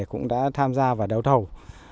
cũng đã tham gia và đấu thầu